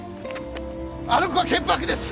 あの子は潔白です！